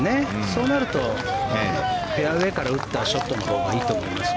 そうなるとフェアウェーから打ったショットのほうがいいと思います。